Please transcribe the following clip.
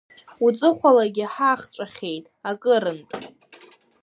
Уҵыхәалагьы ҳахҵәахьеит акырынтә.